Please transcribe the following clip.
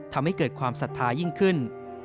ทำให้เกิดความศรัทธายิ่งขึ้น